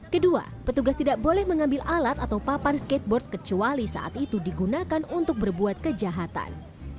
kedua petugas tidak boleh mengambil alat atau papan skateboard kecuali saat itu digunakan untuk berbuat kejahatan